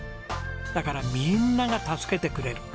だからみんなが助けてくれる。